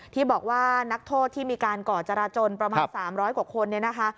ที่บอกว่านักโทษที่มีการก่อจราจนประมาณ๓๐๐กว่าคนเนี่ยนะคะ